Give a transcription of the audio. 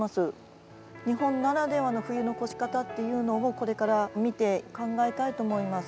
日本ならではの冬の越し方っていうのをこれから見て考えたいと思います。